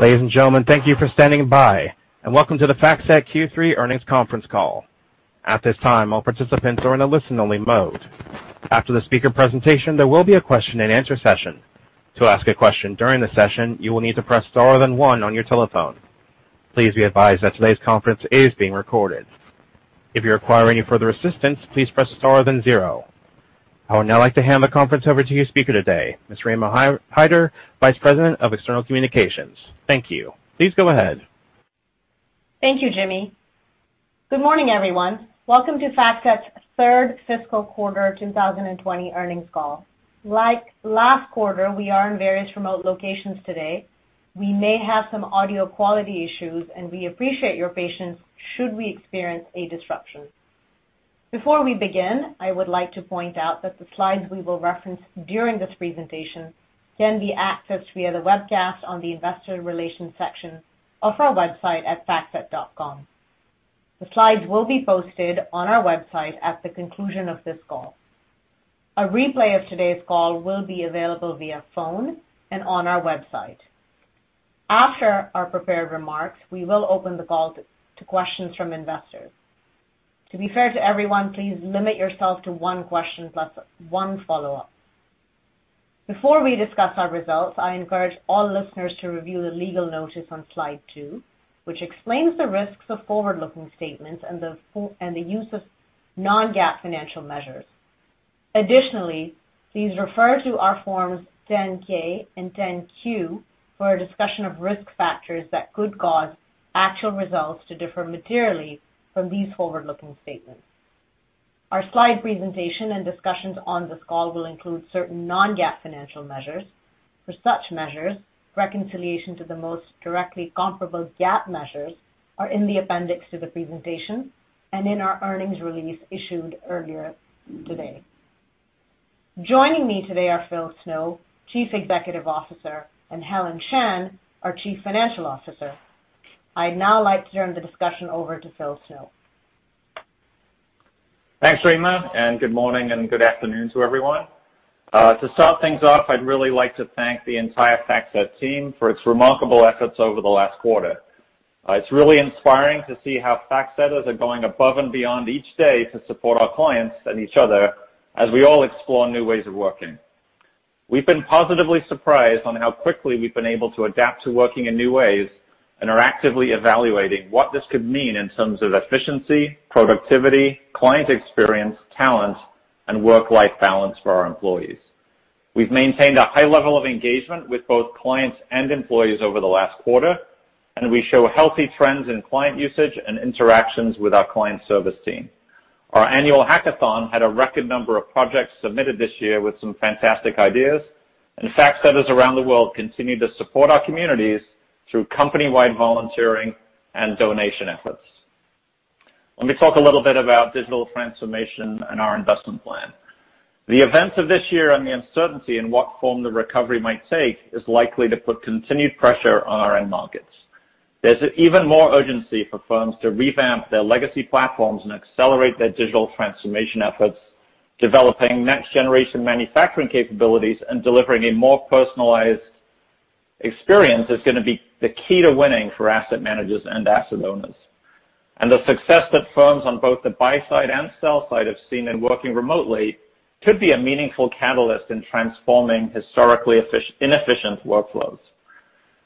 Ladies and gentlemen, thank you for standing by and welcome to the FactSet Q3 earnings conference call. At this time, all participants are in a listen-only mode. After the speaker presentation, there will be a question and answer session. To ask a question during the session, you will need to press star then one on your telephone. Please be advised that today's conference is being recorded. If you require any further assistance, please press star then zero. I would now like to hand the conference over to your speaker today, Ms. Rima Hyder, Vice President of External Communications. Thank you. Please go ahead. Thank you, Jimmy. Good morning, everyone. Welcome to FactSet's third fiscal quarter 2020 earnings call. Like last quarter, we are in various remote locations today. We may have some audio quality issues, and we appreciate your patience should we experience a disruption. Before we begin, I would like to point out that the slides we will reference during this presentation can be accessed via the webcast on the investor relations section of our website at factset.com. The slides will be posted on our website at the conclusion of this call. A replay of today's call will be available via phone and on our website. After our prepared remarks, we will open the call to questions from investors. To be fair to everyone, please limit yourself to one question plus one follow-up. Before we discuss our results, I encourage all listeners to review the legal notice on slide two, which explains the risks of forward-looking statements and the use of non-GAAP financial measures. Additionally, please refer to our forms 10-K and 10-Q for a discussion of risk factors that could cause actual results to differ materially from these forward-looking statements. Our slide presentation and discussions on this call will include certain non-GAAP financial measures. For such measures, reconciliation to the most directly comparable GAAP measures are in the appendix to the presentation and in our earnings release issued earlier today. Joining me today are Phil Snow, Chief Executive Officer, and Helen Shan, our Chief Financial Officer. I'd now like to turn the discussion over to Phil Snow. Thanks, Rima, good morning and good afternoon to everyone. To start things off, I'd really like to thank the entire FactSet team for its remarkable efforts over the last quarter. It's really inspiring to see how FactSetters are going above and beyond each day to support our clients and each other as we all explore new ways of working. We've been positively surprised on how quickly we've been able to adapt to working in new ways and are actively evaluating what this could mean in terms of efficiency, productivity, client experience, talent, and work-life balance for our employees. We've maintained a high level of engagement with both clients and employees over the last quarter, and we show healthy trends in client usage and interactions with our client service team. Our annual hackathon had a record number of projects submitted this year with some fantastic ideas. FactSetters around the world continue to support our communities through company-wide volunteering and donation efforts. Let me talk a little bit about digital transformation and our investment plan. The events of this year and the uncertainty in what form the recovery might take is likely to put continued pressure on our end markets. There's even more urgency for firms to revamp their legacy platforms and accelerate their digital transformation efforts. Developing next-generation manufacturing capabilities and delivering a more personalized experience is going to be the key to winning for asset managers and asset owners. The success that firms on both the buy side and sell side have seen in working remotely could be a meaningful catalyst in transforming historically inefficient workflows.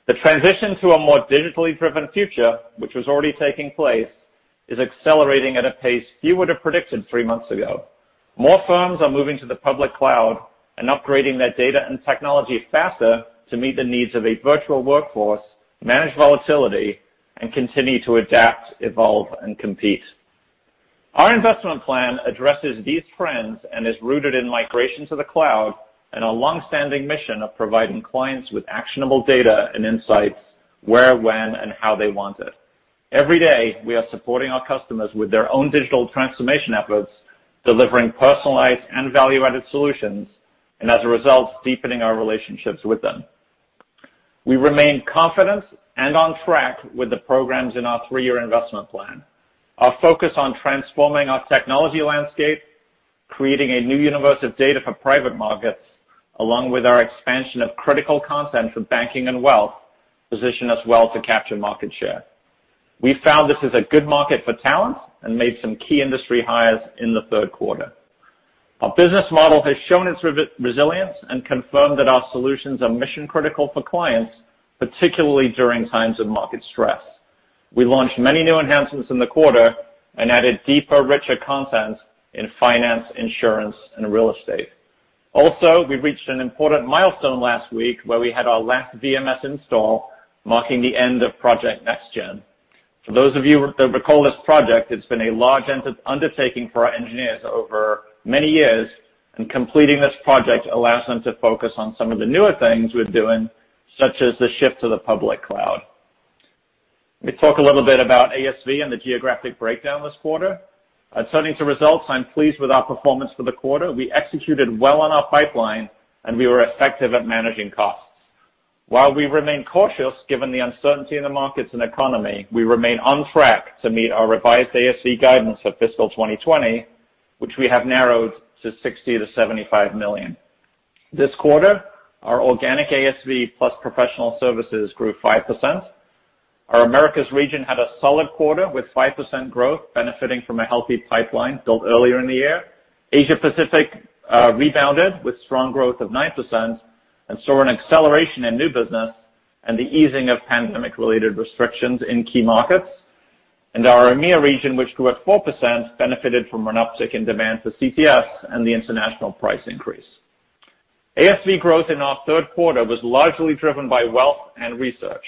The transition to a more digitally driven future, which was already taking place, is accelerating at a pace few would have predicted three months ago. More firms are moving to the public cloud and upgrading their data and technology faster to meet the needs of a virtual workforce, manage volatility, and continue to adapt, evolve, and compete. Our investment plan addresses these trends and is rooted in migration to the cloud and our longstanding mission of providing clients with actionable data and insights where, when, and how they want it. Every day, we are supporting our customers with their own digital transformation efforts, delivering personalized and value-added solutions, and as a result, deepening our relationships with them. We remain confident and on track with the programs in our three-year investment plan. Our focus on transforming our technology landscape, creating a new universe of data for private markets, along with our expansion of critical content for banking and wealth, position us well to capture market share. We found this is a good market for talent and made some key industry hires in the third quarter. Our business model has shown its resilience and confirmed that our solutions are mission-critical for clients, particularly during times of market stress. We launched many new enhancements in the quarter and added deeper, richer content in finance, insurance, and real estate. Also, we reached an important milestone last week where we had our last VMS install, marking the end of Project NextGen. For those of you that recall this project, it's been a large undertaking for our engineers over many years, and completing this project allows them to focus on some of the newer things we're doing, such as the shift to the public cloud. Let me talk a little bit about ASV and the geographic breakdown this quarter. Turning to results, I'm pleased with our performance for the quarter. We executed well on our pipeline, and we were effective at managing costs. While we remain cautious given the uncertainty in the markets and economy, we remain on track to meet our revised ASV guidance for fiscal 2020, which we have narrowed to $60 million-$75 million. This quarter, our organic ASV plus professional services grew 5%. Our Americas region had a solid quarter with 5% growth benefiting from a healthy pipeline built earlier in the year. Asia Pacific rebounded with strong growth of 9% and saw an acceleration in new business and the easing of pandemic-related restrictions in key markets. Our EMEA region, which grew at 4%, benefited from an uptick in demand for CTS and the international price increase. ASV growth in our third quarter was largely driven by wealth and research.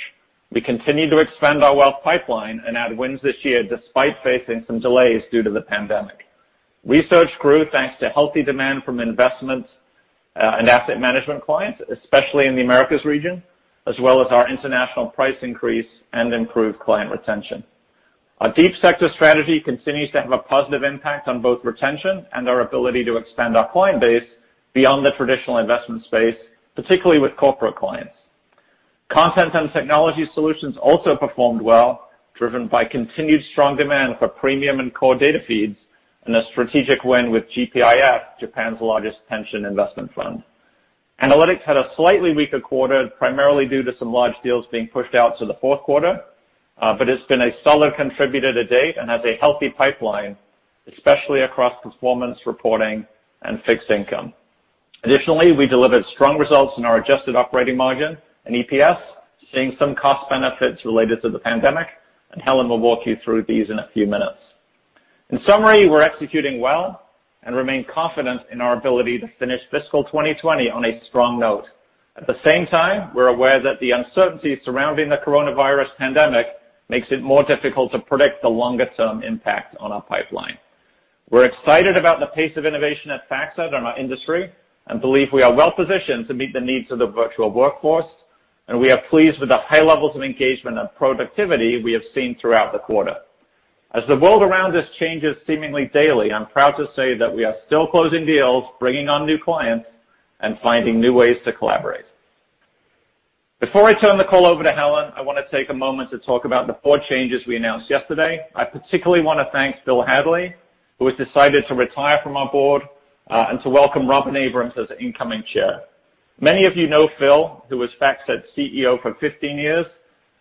We continued to expand our wealth pipeline and add wins this year despite facing some delays due to the pandemic. Research grew thanks to healthy demand from investment and asset management clients, especially in the Americas region, as well as our international price increase and improved client retention. Our deep sector strategy continues to have a positive impact on both retention and our ability to expand our client base beyond the traditional investment space, particularly with corporate clients. Content and technology solutions also performed well, driven by continued strong demand for premium and core data feeds, and a strategic win with GPIF, Japan's largest pension investment fund. Analytics had a slightly weaker quarter, primarily due to some large deals being pushed out to the fourth quarter. It's been a solid contributor to date and has a healthy pipeline, especially across performance reporting and fixed income. Additionally, we delivered strong results in our adjusted operating margin and EPS, seeing some cost benefits related to the pandemic, and Helen will walk you through these in a few minutes. In summary, we're executing well and remain confident in our ability to finish fiscal 2020 on a strong note. At the same time, we're aware that the uncertainty surrounding the coronavirus pandemic makes it more difficult to predict the longer-term impact on our pipeline. We're excited about the pace of innovation at FactSet in our industry and believe we are well-positioned to meet the needs of the virtual workforce, and we are pleased with the high levels of engagement and productivity we have seen throughout the quarter. As the world around us changes seemingly daily, I'm proud to say that we are still closing deals, bringing on new clients, and finding new ways to collaborate. Before I turn the call over to Helen, I want to take a moment to talk about the board changes we announced yesterday. I particularly want to thank Phil Hadley, who has decided to retire from our board, and to welcome Robin Abrams as incoming Chair. Many of you know Phil, who was FactSet CEO for 15 years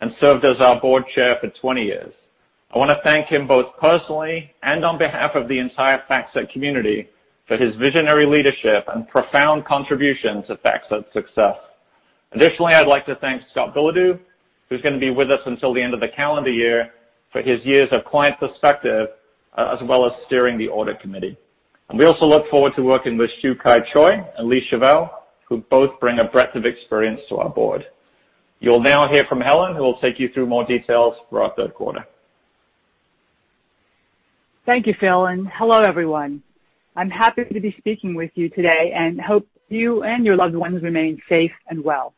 and served as our Board Chair for 20 years. I want to thank him both personally and on behalf of the entire FactSet community for his visionary leadership and profound contribution to FactSet's success. Additionally, I'd like to ` Scott Billeadeau, who's going to be with us until the end of the calendar year, for his years of client perspective, as well as steering the audit committee. We also look forward to working with Siew Kai Choy and Lee Shavel, who both bring a breadth of experience to our board. You'll now hear from Helen, who will take you through more details for our third quarter. Thank you, Phil, and hello, everyone. I'm happy to be speaking with you today and hope you and your loved ones remain safe and well.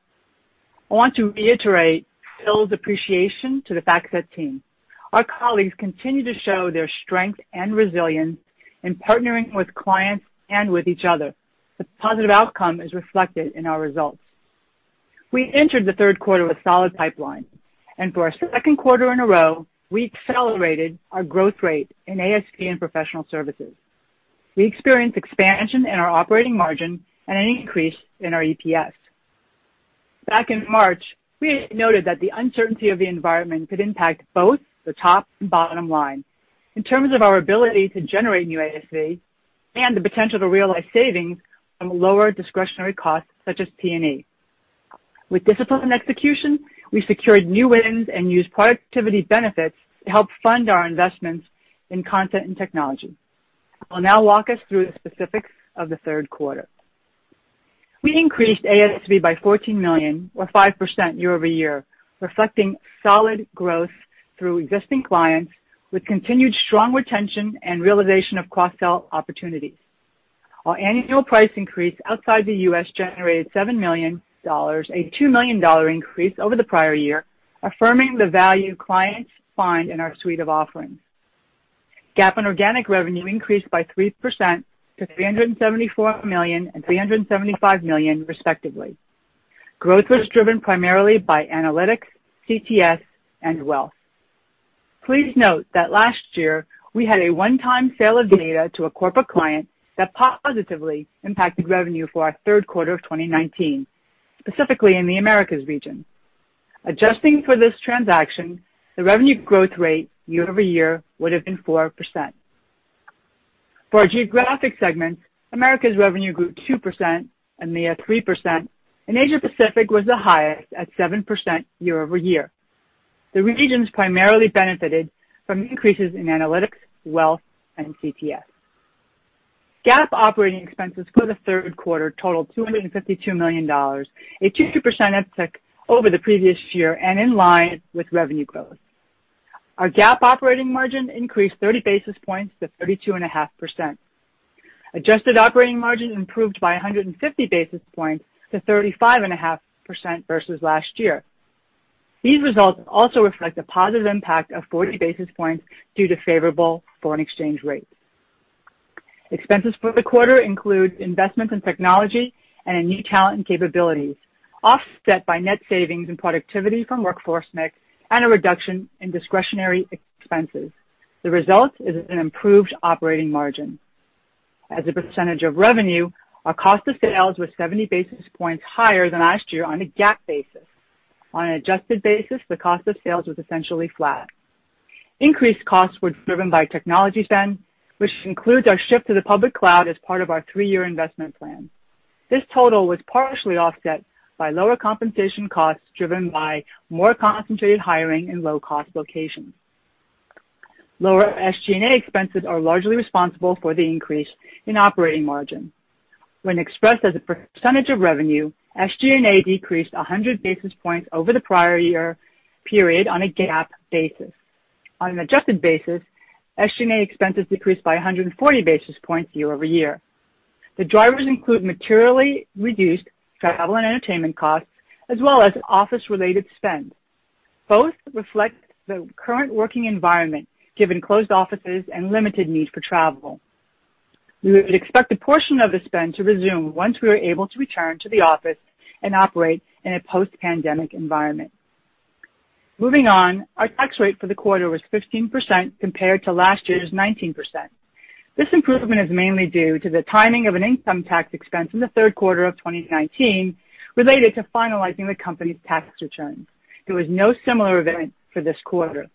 I want to reiterate Phil's appreciation to the FactSet team. Our colleagues continue to show their strength and resilience in partnering with clients and with each other. The positive outcome is reflected in our results. We entered the third quarter with solid pipeline, and for our second quarter in a row, we accelerated our growth rate in ASV and professional services. We experienced expansion in our operating margin and an increase in our EPS. Back in March, we noted that the uncertainty of the environment could impact both the top and bottom line in terms of our ability to generate new ASV and the potential to realize savings from lower discretionary costs such as T&E. With disciplined execution, we secured new wins and used productivity benefits to help fund our investments in content and technology. I'll now walk us through the specifics of the third quarter. We increased ASV by $14 million or 5% year-over-year, reflecting solid growth through existing clients with continued strong retention and realization of cross-sell opportunities. Our annual price increase outside the U.S. generated $7 million, a $2 million increase over the prior year, affirming the value clients find in our suite of offerings. GAAP and organic revenue increased by 3% to $374 million and $375 million respectively. Growth was driven primarily by analytics, CTS, and wealth. Please note that last year we had a one-time sale of data to a corporate client that positively impacted revenue for our third quarter of 2019, specifically in the Americas region. Adjusting for this transaction, the revenue growth rate year-over-year would have been 4%. For our geographic segments, Americas revenue grew 2%, EMEIA 3%, and Asia Pacific was the highest at 7% year-over-year. The regions primarily benefited from increases in analytics, wealth, and CTS. GAAP operating expenses for the third quarter totaled $252 million, a 2% uptick over the previous year and in line with revenue growth. Our GAAP operating margin increased 30 basis points to 32.5%. Adjusted operating margin improved by 150 basis points to 35.5% versus last year. These results also reflect a positive impact of 40 basis points due to favorable foreign exchange rates. Expenses for the quarter include investments in technology and in new talent and capabilities, offset by net savings and productivity from workforce mix and a reduction in discretionary expenses. The result is an improved operating margin. As a percentage of revenue, our cost of sales was 70 basis points higher than last year on a GAAP basis. On an adjusted basis, the cost of sales was essentially flat. Increased costs were driven by technology spend, which includes our shift to the public cloud as part of our three-year investment plan. This total was partially offset by lower compensation costs driven by more concentrated hiring in low-cost locations. Lower SG&A expenses are largely responsible for the increase in operating margin. When expressed as a percentage of revenue, SG&A decreased 100 basis points over the prior year period on a GAAP basis. On an adjusted basis, SG&A expenses decreased by 140 basis points year-over-year. The drivers include materially reduced travel and entertainment costs, as well as office-related spend. Both reflect the current working environment, given closed offices and limited need for travel. We would expect a portion of the spend to resume once we are able to return to the office and operate in a post-pandemic environment. Moving on, our tax rate for the quarter was 15% compared to last year's 19%. This improvement is mainly due to the timing of an income tax expense in the third quarter of 2019 related to finalizing the company's tax returns. There was no similar event for this quarter.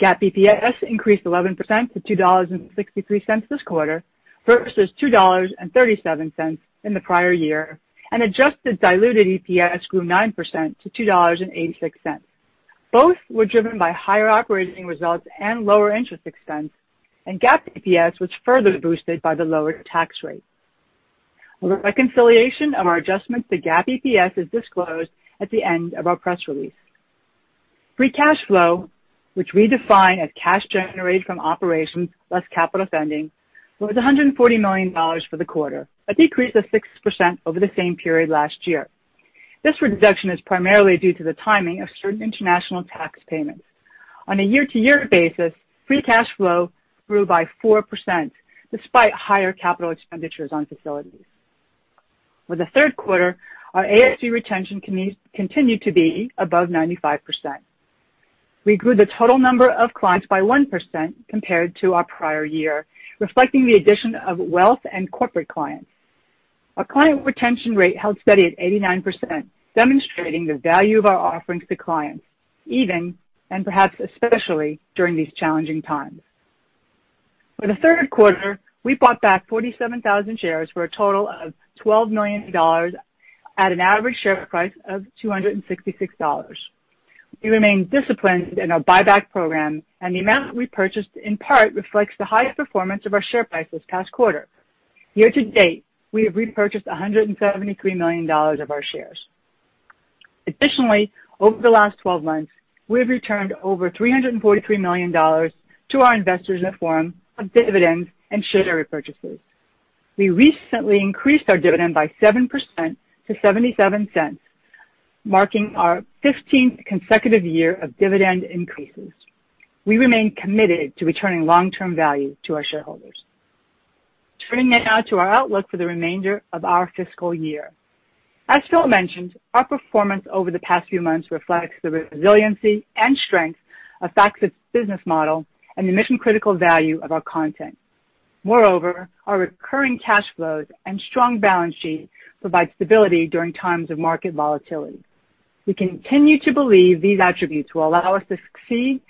GAAP EPS increased 11% to $2.63 this quarter versus $2.37 in the prior year, and adjusted diluted EPS grew 9% to $2.86. Both were driven by higher operating results and lower interest expense, and GAAP EPS was further boosted by the lower tax rate. A reconciliation of our adjustments to GAAP EPS is disclosed at the end of our press release. Free cash flow, which we define as cash generated from operations less capital spending, was $140 million for the quarter, a decrease of 6% over the same period last year. This reduction is primarily due to the timing of certain international tax payments. On a year-to-year basis, free cash flow grew by 4%, despite higher capital expenditures on facilities. For the third quarter, our ASV retention continued to be above 95%. We grew the total number of clients by 1% compared to our prior year, reflecting the addition of wealth and corporate clients. Our client retention rate held steady at 89%, demonstrating the value of our offerings to clients even, and perhaps especially, during these challenging times. For the third quarter, we bought back 47,000 shares for a total of $12 million at an average share price of $266. We remain disciplined in our buyback program, and the amount we purchased in part reflects the high performance of our share price this past quarter. Year to date, we have repurchased $173 million of our shares. Additionally, over the last 12 months, we have returned over $343 million to our investors in the form of dividends and share repurchases. We recently increased our dividend by 7% to $0.77, marking our 15th consecutive year of dividend increases. We remain committed to returning long-term value to our shareholders. Turning now to our outlook for the remainder of our fiscal year. As Phil mentioned, our performance over the past few months reflects the resiliency and strength of FactSet's business model and the mission-critical value of our content. Our recurring cash flows and strong balance sheet provide stability during times of market volatility. We continue to believe these attributes will allow us to succeed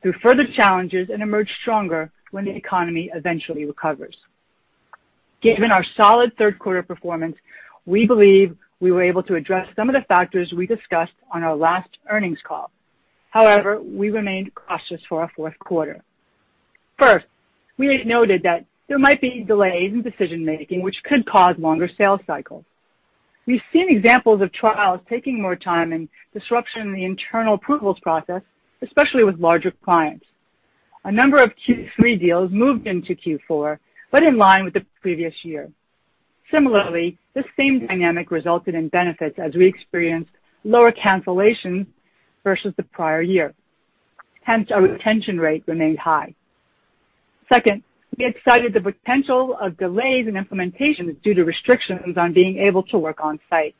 through further challenges and emerge stronger when the economy eventually recovers. Given our solid third-quarter performance, we believe we were able to address some of the factors we discussed on our last earnings call. We remain cautious for our fourth quarter. First, we had noted that there might be delays in decision-making which could cause longer sales cycles. We've seen examples of trials taking more time and disruption in the internal approvals process, especially with larger clients. A number of Q3 deals moved into Q4, but in line with the previous year. This same dynamic resulted in benefits as we experienced lower cancellations versus the prior year. Our retention rate remained high. Second, we had cited the potential of delays in implementations due to restrictions on being able to work on-site.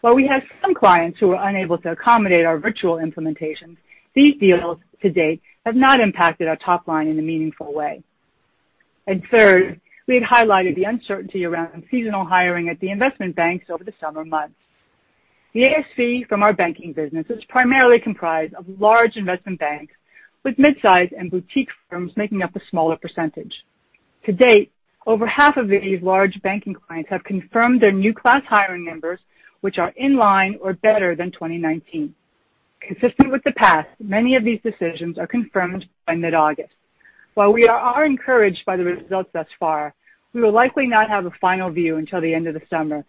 While we had some clients who were unable to accommodate our virtual implementations, these deals to date have not impacted our top line in a meaningful way. Third, we had highlighted the uncertainty around seasonal hiring at the investment banks over the summer months. The ASV from our banking business is primarily comprised of large investment banks, with mid-size and boutique firms making up a smaller percentage. To date, over half of these large banking clients have confirmed their new class hiring numbers, which are in line or better than 2019. Consistent with the past, many of these decisions are confirmed by mid-August. While we are encouraged by the results thus far, we will likely not have a final view until the end of the summer,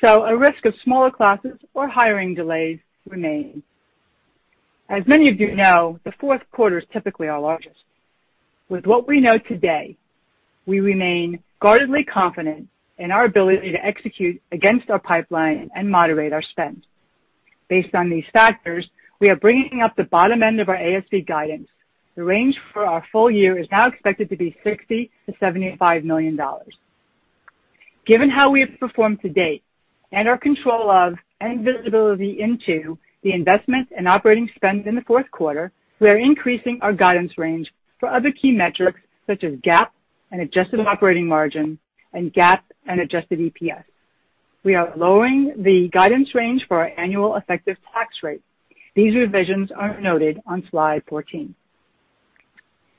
so a risk of smaller classes or hiring delays remains. As many of you know, the fourth quarter is typically our largest. With what we know today, we remain guardedly confident in our ability to execute against our pipeline and moderate our spend. Based on these factors, we are bringing up the bottom end of our ASV guidance. The range for our full year is now expected to be $60 million-$75 million. Given how we have performed to date and our control of and visibility into the investment and operating spend in the fourth quarter, we are increasing our guidance range for other key metrics such as GAAP and adjusted operating margin and GAAP and adjusted EPS. We are lowering the guidance range for our annual effective tax rate. These revisions are noted on slide 14.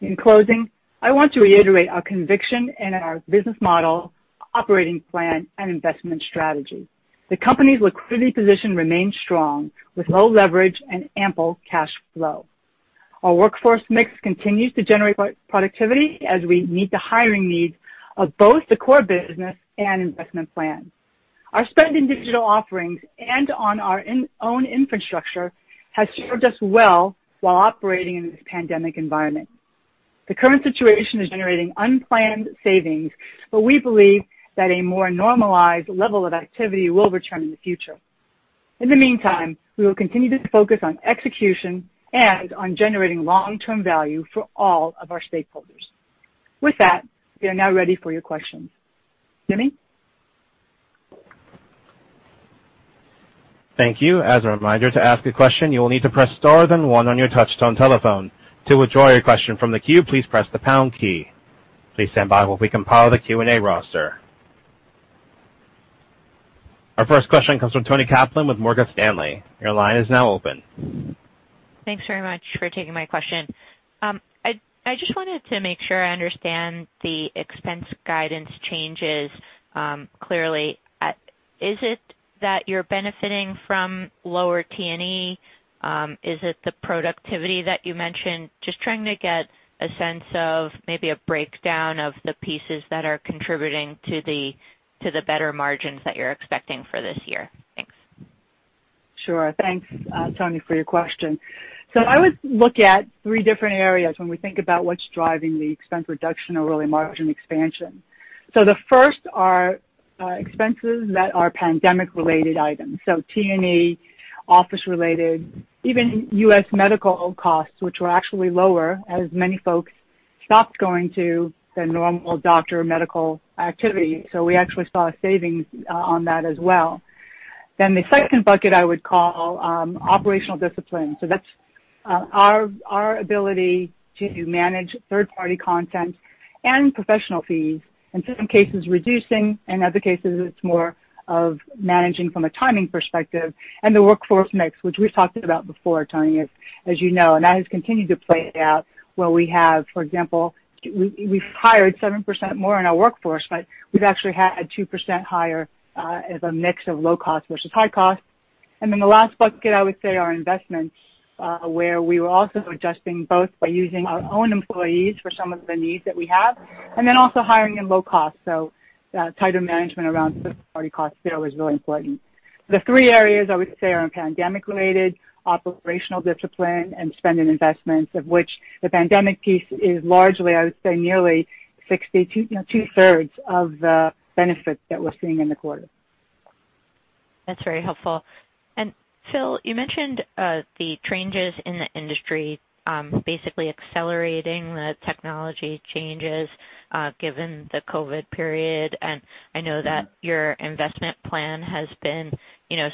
In closing, I want to reiterate our conviction in our business model, operating plan, and investment strategy. The company's liquidity position remains strong with low leverage and ample cash flow. Our workforce mix continues to generate productivity as we meet the hiring needs of both the core business and investment plan. Our spend in digital offerings and on our own infrastructure has served us well while operating in this pandemic environment. The current situation is generating unplanned savings, we believe that a more normalized level of activity will return in the future. In the meantime, we will continue to focus on execution and on generating long-term value for all of our stakeholders. With that, we are now ready for your questions. Jimmy? Thank you. As a reminder, to ask a question, you will need to press star then one on your touchtone telephone. To withdraw your question from the queue, please press the pound key. Please stand by while we compile the Q&A roster. Our first question comes from Toni Kaplan with Morgan Stanley. Your line is now open. Thanks very much for taking my question. I just wanted to make sure I understand the expense guidance changes clearly. Is it that you're benefiting from lower T&E? Is it the productivity that you mentioned? Just trying to get a sense of maybe a breakdown of the pieces that are contributing to the better margins that you're expecting for this year. Thanks. Sure. Thanks, Toni, for your question. I would look at three different areas when we think about what's driving the expense reduction or really margin expansion. The first are expenses that are pandemic-related items. T&E, office related, even U.S. medical costs, which were actually lower as many folks stopped going to their normal doctor or medical activity. We actually saw a savings on that as well. The second bucket I would call operational discipline. That's our ability to manage third-party content and professional fees. In certain cases, reducing, in other cases, it's more of managing from a timing perspective and the workforce mix, which we've talked about before, Toni, as you know, and that has continued to play out where we have, for example, we've hired 7% more in our workforce, but we've actually had 2% higher as a mix of low cost versus high cost. The last bucket, I would say, are investments, where we were also adjusting both by using our own employees for some of the needs that we have, and then also hiring in low cost. Tighter management around third-party costs there was really important. The three areas I would say are pandemic-related, operational discipline, and spend and investments of which the pandemic piece is largely, I would say, nearly two-thirds of the benefits that we're seeing in the quarter. That's very helpful. Phil, you mentioned the changes in the industry, basically accelerating the technology changes given the COVID period. I know that your investment plan has been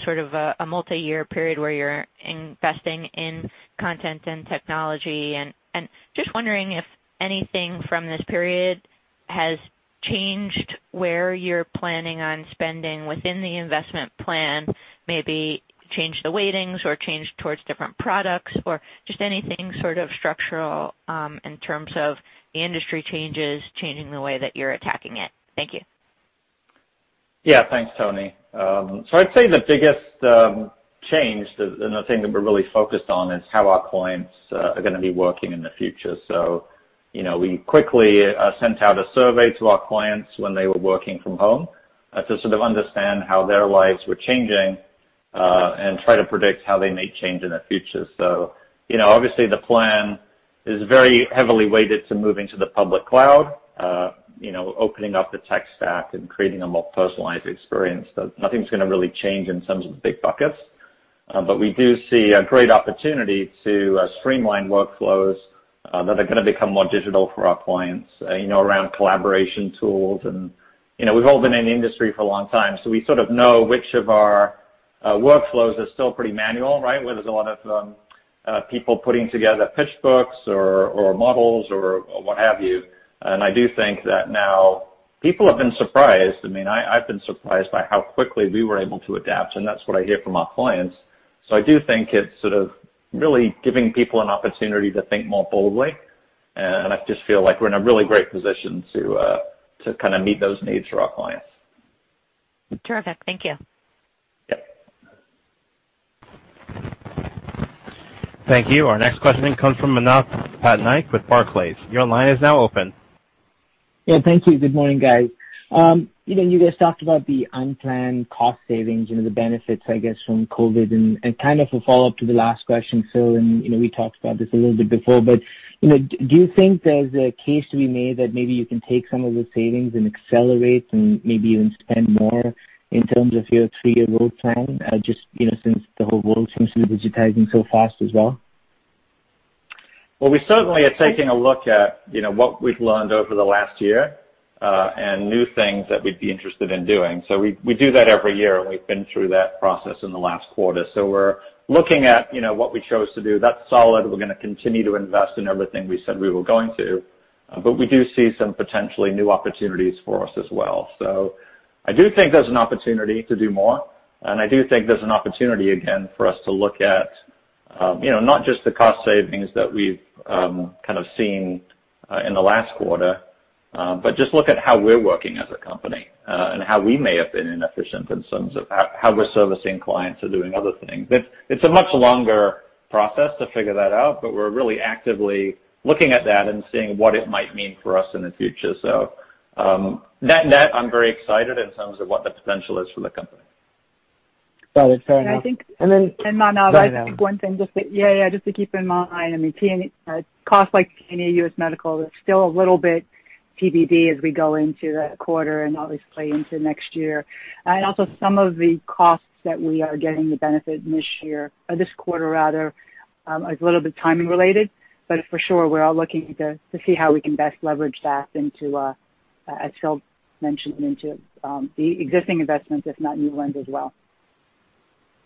sort of a multi-year period where you're investing in content and technology, just wondering if anything from this period has changed where you're planning on spending within the investment plan, maybe changed the weightings or changed towards different products or just anything sort of structural in terms of the industry changes, changing the way that you're attacking it. Thank you. Yeah, thanks, Toni. I'd say the biggest change and the thing that we're really focused on is how our clients are going to be working in the future. We quickly sent out a survey to our clients when they were working from home to sort of understand how their lives were changing, and try to predict how they may change in the future. Obviously, the plan is very heavily weighted to moving to the public cloud, opening up the tech stack and creating a more personalized experience. Nothing's going to really change in terms of the big buckets. We do see a great opportunity to streamline workflows that are going to become more digital for our clients around collaboration tools. We've all been in the industry for a long time, so we sort of know which of our workflows are still pretty manual, right? Where there's a lot of people putting together pitch books or models or what have you. I do think that now people have been surprised. I've been surprised by how quickly we were able to adapt, and that's what I hear from our clients. I do think it's sort of really giving people an opportunity to think more boldly, and I just feel like we're in a really great position to kind of meet those needs for our clients. Terrific. Thank you. Yep. Thank you. Our next question comes from Manav Patnaik with Barclays. Your line is now open. Yeah, thank you. Good morning, guys. You guys talked about the unplanned cost savings, the benefits, I guess, from COVID and kind of a follow-up to the last question, Phil, and we talked about this a little bit before, but do you think there's a case to be made that maybe you can take some of the savings and accelerate and maybe even spend more in terms of your three-year road plan? Just since the whole world seems to be digitizing so fast as well. We certainly are taking a look at what we've learned over the last year, and new things that we'd be interested in doing. We do that every year, and we've been through that process in the last quarter. We're looking at what we chose to do. That's solid. We're going to continue to invest in everything we said we were going to. We do see some potentially new opportunities for us as well. I do think there's an opportunity to do more, and I do think there's an opportunity, again, for us to look at, not just the cost savings that we've kind of seen in the last quarter, but just look at how we're working as a company. How we may have been inefficient in terms of how we're servicing clients or doing other things. It's a much longer process to figure that out, but we're really actively looking at that and seeing what it might mean for us in the future. Net-net, I'm very excited in terms of what the potential is for the company. Got it. Fair enough. And I think- And then- Manav. I think one thing just to keep in mind, costs like T&E, U.S. medical are still a little bit TBD as we go into the quarter and obviously into next year. Also some of the costs that we are getting the benefit this year, or this quarter rather, are a little bit timing related. For sure, we're all looking to see how we can best leverage that into, as Phil mentioned, into the existing investments, if not new ones as well.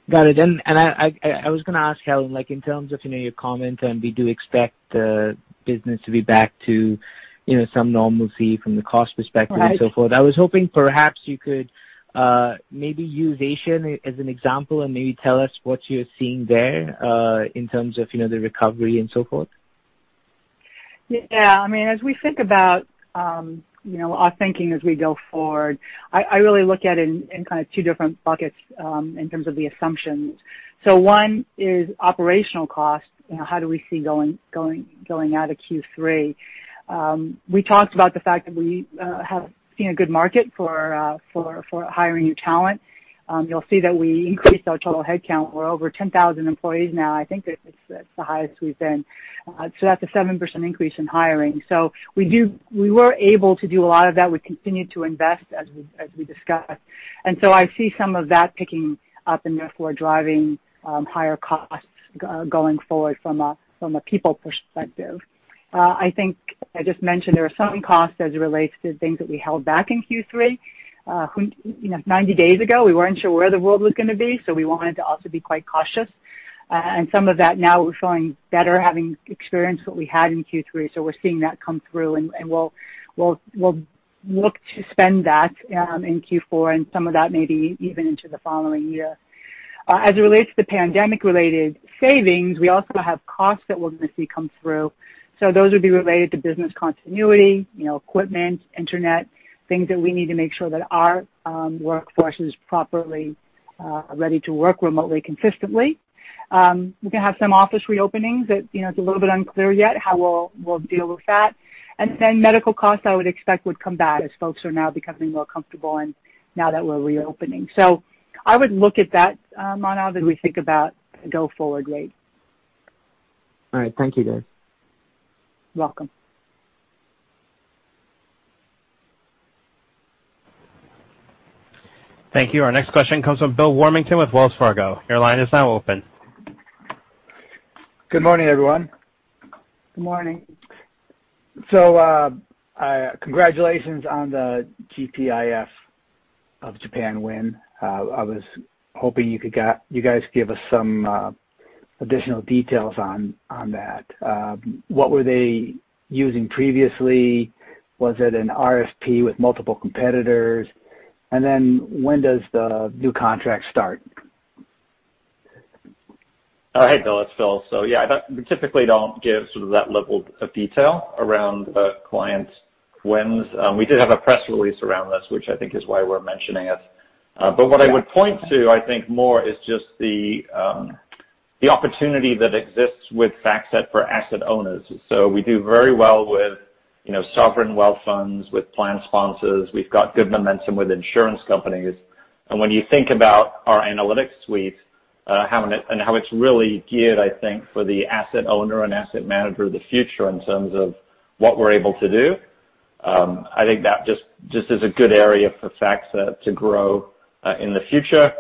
Got it. I was going to ask, Helen, in terms of your comment and we do expect the business to be back to some normalcy from the cost perspective and so forth. Right. I was hoping perhaps you could maybe use Asian as an example and maybe tell us what you're seeing there, in terms of the recovery and so forth. As we think about our thinking as we go forward, I really look at it in kind of two different buckets, in terms of the assumptions. One is operational costs, how do we see going out of Q3? We talked about the fact that we have seen a good market for hiring new talent. You'll see that we increased our total headcount. We're over 10,000 employees now. I think that's the highest we've been. That's a 7% increase in hiring. We were able to do a lot of that. We continue to invest as we discuss. I see some of that picking up and therefore driving higher costs going forward from a people perspective. I think I just mentioned there are some costs as it relates to things that we held back in Q3. 90 days ago, we weren't sure where the world was going to be. We wanted to also be quite cautious. Some of that now we're showing better having experienced what we had in Q3, so we're seeing that come through, and we'll look to spend that in Q4 and some of that maybe even into the following year. As it relates to the pandemic-related savings, we also have costs that we're going to see come through. Those would be related to business continuity, equipment, internet, things that we need to make sure that our workforce is properly ready to work remotely consistently. We're going to have some office reopenings that it's a little bit unclear yet how we'll deal with that. Medical costs, I would expect, would come back as folks are now becoming more comfortable and now that we're reopening. I would look at that, Manav, as we think about go forward rate. All right. Thank you, guys. You're welcome. Thank you. Our next question comes from Bill Warmington with Wells Fargo. Your line is now open. Good morning, everyone. Good morning. Congratulations on the GPIF of Japan win. I was hoping you guys give us some additional details on that. What were they using previously? Was it an RFP with multiple competitors? When does the new contract start? Hi, Bill. It's Phil. Yeah, we typically don't give that level of detail around a client's wins. We did have a press release around this, which I think is why we're mentioning it. What I would point to, I think, more is just the opportunity that exists with FactSet for asset owners. We do very well with sovereign wealth funds, with plan sponsors. We've got good momentum with insurance companies. When you think about our analytics suite, and how it's really geared, I think, for the asset owner and asset manager of the future in terms of what we're able to do. I think that just is a good area for FactSet to grow in the future.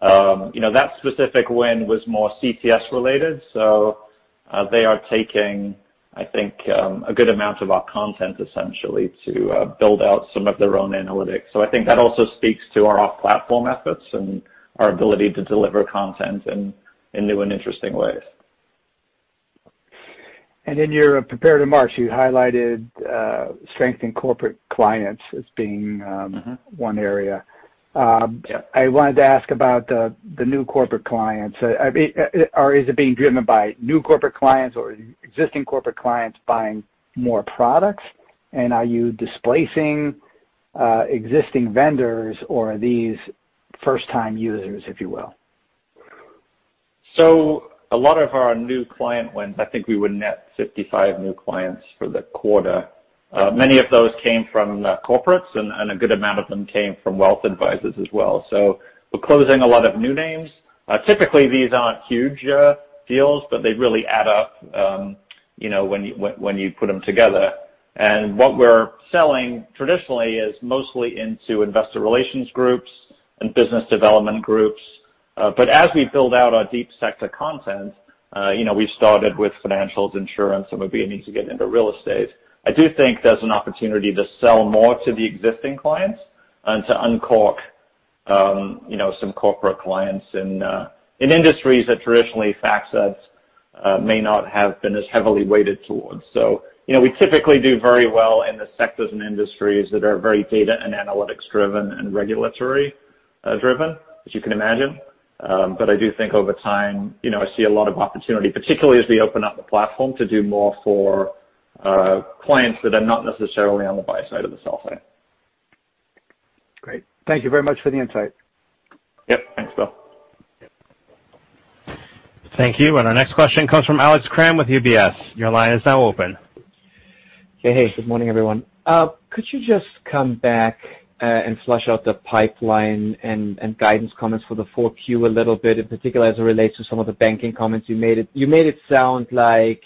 That specific win was more CTS related, they are taking, I think, a good amount of our content essentially to build out some of their own analytics. I think that also speaks to our off-platform efforts and our ability to deliver content in new and interesting ways. In your prepared remarks, you highlighted strength in corporate clients as being. One area. Yeah. I wanted to ask about the new corporate clients. Is it being driven by new corporate clients or existing corporate clients buying more products? Are you displacing existing vendors or are these first-time users, if you will? A lot of our new client wins, I think we would net 55 new clients for the quarter. Many of those came from corporates, and a good amount of them came from wealth advisors as well. We're closing a lot of new names. Typically, these aren't huge deals, but they really add up when you put them together. What we're selling traditionally is mostly into investor relations groups and business development groups. As we build out our deep sector content, we started with financials, insurance, and we're beginning to get into real estate. I do think there's an opportunity to sell more to the existing clients and to uncork some corporate clients in industries that traditionally FactSet may not have been as heavily weighted towards. We typically do very well in the sectors and industries that are very data and analytics-driven and regulatory-driven, as you can imagine. I do think over time, I see a lot of opportunity, particularly as we open up the platform to do more for clients that are not necessarily on the buy side or the sell side. Great. Thank you very much for the insight. Yep. Thanks, Bill. Thank you. Our next question comes from Alex Kramm with UBS. Your line is now open. Hey. Good morning, everyone. Could you just come back and flesh out the pipeline and guidance comments for the 4Q a little bit, in particular as it relates to some of the banking comments you made? You made it sound like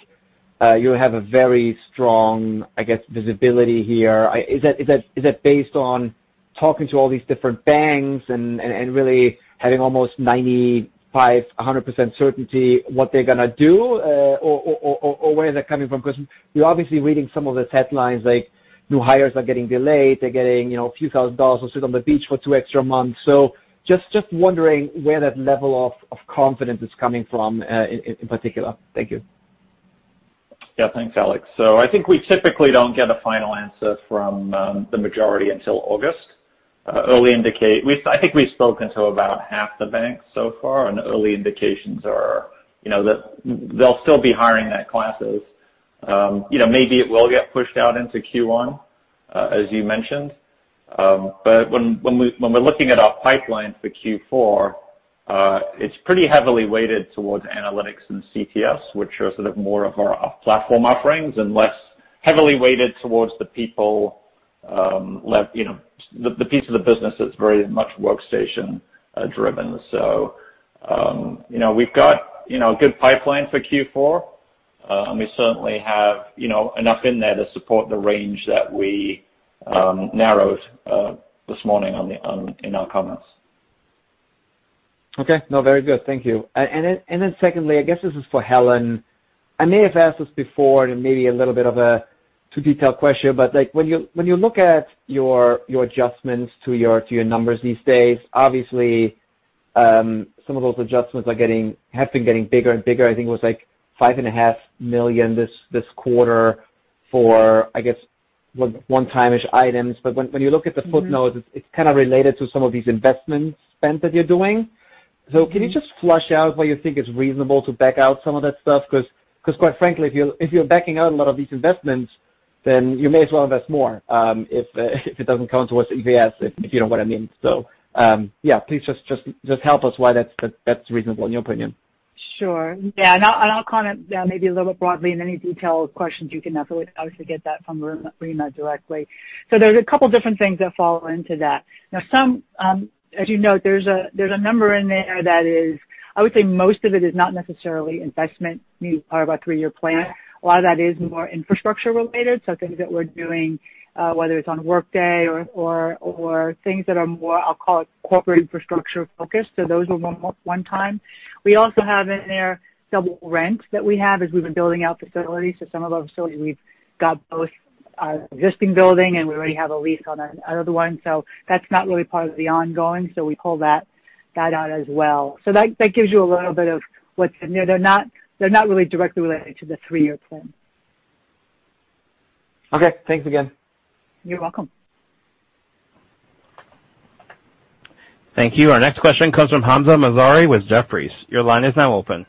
you have a very strong, I guess, visibility here. Is that based on talking to all these different banks and really having almost 95%, 100% certainty what they're going to do? Where is that coming from? You're obviously reading some of the headlines, like new hires are getting delayed. They're getting a few thousand dollars to sit on the beach for two extra months. Just wondering where that level of confidence is coming from in particular. Thank you. Yeah. Thanks, Alex. I think we typically don't get a final answer from the majority until August. I think we've spoken to about half the banks so far, and early indications are that they'll still be hiring that classes. Maybe it will get pushed out into Q1, as you mentioned. When we're looking at our pipeline for Q4, it's pretty heavily weighted towards analytics and CTS, which are sort of more of our platform offerings and less heavily weighted towards the people, the piece of the business that's very much workstation-driven. We've got a good pipeline for Q4. We certainly have enough in there to support the range that we narrowed this morning in our comments. Okay. No, very good. Thank you. Secondly, I guess this is for Helen. I may have asked this before, and it may be a little bit of a too-detailed question, but when you look at your adjustments to your numbers these days, obviously, some of those adjustments have been getting bigger and bigger. I think it was like $5.5 million this quarter for, I guess, one-time-ish items. When you look at the footnotes, it's kind of related to some of these investment spends that you're doing. Can you just flesh out why you think it's reasonable to back out some of that stuff? Quite frankly, if you're backing out a lot of these investments, then you may as well invest more if it doesn't count towards EPS, if you know what I mean. Yeah, please just help us why that's reasonable in your opinion. Sure. Yeah, I'll comment maybe a little bit broadly, and any detailed questions, you can absolutely obviously get that from Rima directly. There's a couple different things that fall into that. As you note, there's a number in there that is, I would say, most of it is not necessarily investment, maybe part of our three-year plan. A lot of that is more infrastructure related, so things that we're doing, whether it's on Workday or things that are more, I'll call it corporate infrastructure focused. Those are more one time. We also have in there double rent that we have as we've been building out facilities. Some of those facilities, we've got both our existing building, and we already have a lease on another one. That's not really part of the ongoing. We pull that out as well. That gives you a little bit of what's in there. They're not really directly related to the three-year plan. Okay. Thanks again. You're welcome. Thank you. Our next question comes from Hamzah Mazari with Jefferies. Your line is now open.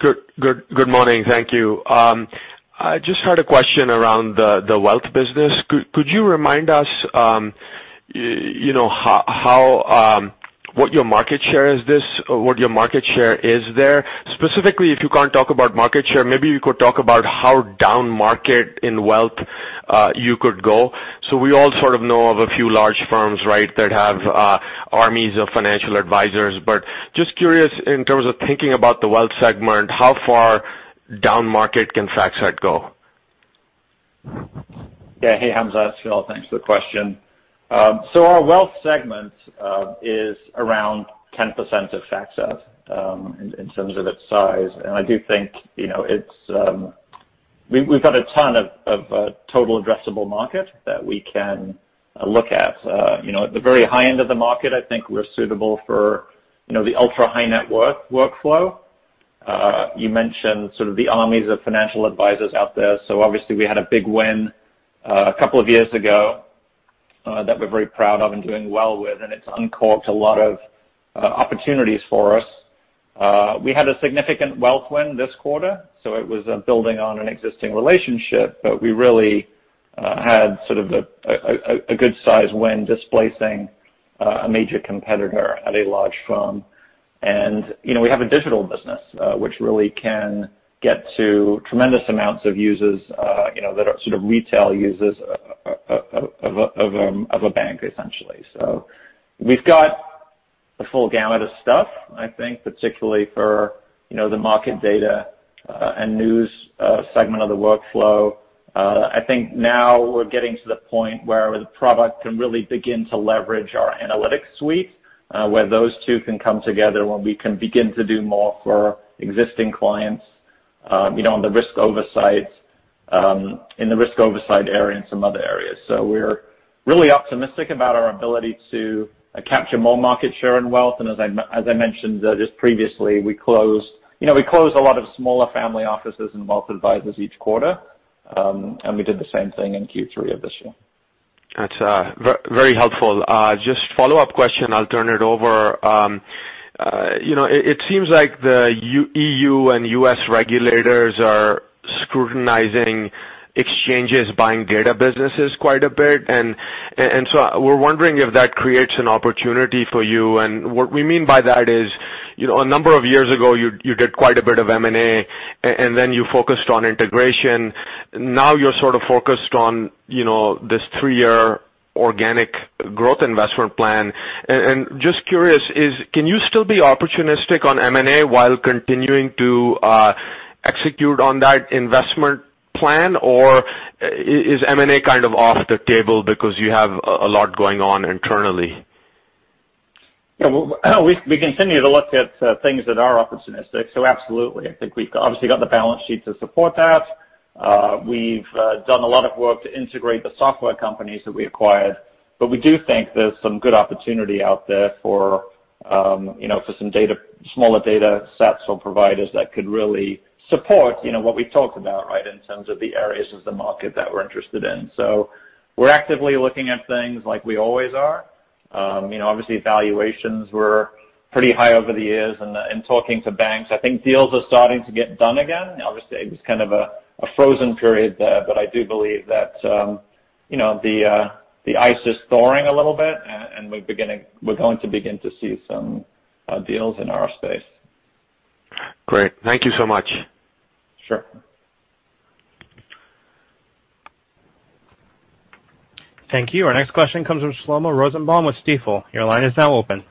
Good morning. Thank you. I just had a question around the wealth business. Could you remind us what your market share is there? Specifically, if you can't talk about market share, maybe you could talk about how down market in wealth you could go. We all sort of know of a few large firms, right, that have armies of financial advisors. Just curious in terms of thinking about the wealth segment, how far down market can FactSet go? Hey, Hamzah. It's Phil. Thanks for the question. Our wealth segment is around 10% of FactSet in terms of its size. I do think we've got a ton of total addressable market that we can look at. At the very high end of the market, I think we're suitable for the ultra-high net worth workflow. You mentioned sort of the armies of financial advisors out there. Obviously we had a big win a couple of years ago that we're very proud of and doing well with, and it's uncorked a lot of opportunities for us. We had a significant wealth win this quarter, so it was building on an existing relationship, but we really had sort of a good size win displacing a major competitor at a large firm. We have a digital business, which really can get to tremendous amounts of users that are sort of retail users of a bank, essentially. We've got the full gamut of stuff, I think, particularly for the market data and news segment of the workflow. I think now we're getting to the point where the product can really begin to leverage our analytics suite where those two can come together, where we can begin to do more for existing clients in the risk oversight area and some other areas. We're really optimistic about our ability to capture more market share and wealth. As I mentioned just previously, we close a lot of smaller family offices and wealth advisors each quarter. We did the same thing in Q3 of this year. That's very helpful. Just follow-up question, I'll turn it over. It seems like the EU and U.S. regulators are scrutinizing exchanges, buying data businesses quite a bit. We're wondering if that creates an opportunity for you. What we mean by that is, a number of years ago, you did quite a bit of M&A, then you focused on integration. Now you're sort of focused on this three-year organic growth investment plan. Just curious, can you still be opportunistic on M&A while continuing to execute on that investment plan? Is M&A kind of off the table because you have a lot going on internally? Yeah. We continue to look at things that are opportunistic, so absolutely. I think we've obviously got the balance sheet to support that. We've done a lot of work to integrate the software companies that we acquired, but we do think there's some good opportunity out there for some smaller data sets or providers that could really support what we've talked about, right, in terms of the areas of the market that we're interested in. We're actively looking at things like we always are. Obviously, evaluations were pretty high over the years. In talking to banks, I think deals are starting to get done again. Obviously, it was kind of a frozen period there. I do believe that the ice is thawing a little bit, and we're going to begin to see some deals in our space. Great. Thank you so much. Sure. Thank you. Our next question comes from Shlomo Rosenbaum with Stifel. Your line is now open.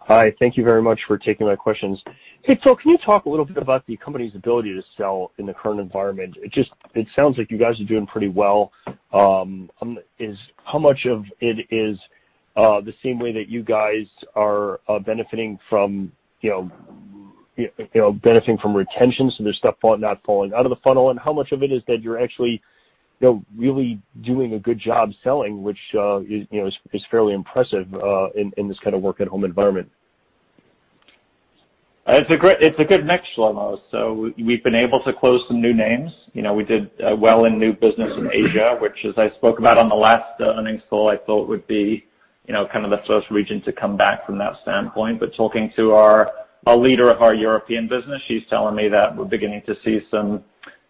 Hi. Thank you very much for taking my questions. Hey, Phil, can you talk a little bit about the company's ability to sell in the current environment? It sounds like you guys are doing pretty well. How much of it is the same way that you guys are benefiting from retention, so there's stuff not falling out of the funnel? How much of it is that you're actually really doing a good job selling, which is fairly impressive in this kind of work-at-home environment? It's a good mix, Shlomo. We've been able to close some new names. We did well in new business in Asia, which, as I spoke about on the last earnings call, I thought would be kind of the first region to come back from that standpoint. Talking to our leader of our European business, she's telling me that we're beginning to see some